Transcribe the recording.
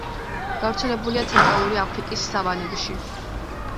გავრცელებულია ცენტრალური აფრიკის სავანებში.